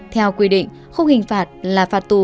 theo quy định khung hình phạt là phạt tù